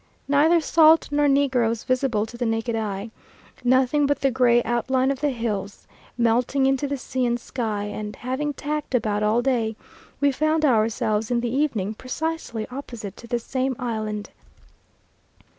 Neither salt nor negroes visible to the naked eye; nothing but the gray outline of the hills, melting into the sea and sky; and having tacked about all day, we found ourselves in the evening precisely opposite to this same island.